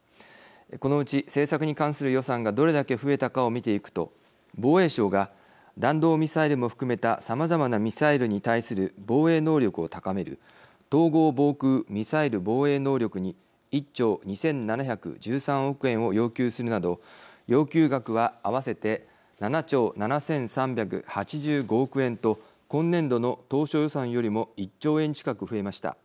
このうち政策に関する予算がどれだけ増えたかを見ていくと防衛省が弾道ミサイルも含めたさまざまなミサイルに対する防衛能力を高める統合防空ミサイル防衛能力に１兆２，７１３億円を要求するなど要求額は合わせて７兆７，３８５億円と今年度の当初予算よりも１兆円近く増えました。